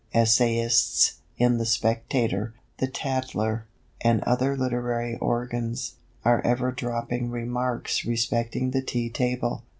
Essayists in the Spectator, the Tatler, and other literary organs, are ever dropping remarks respecting the tea table.